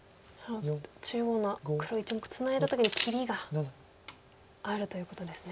中央の黒１目ツナいだ時に切りがあるということですね。